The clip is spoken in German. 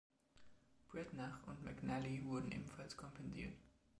Breatnach und McNally wurden ebenfalls kompensiert.